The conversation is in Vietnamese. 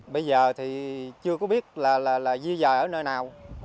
bây giờ thì chưa có biết là di dời ở nơi nào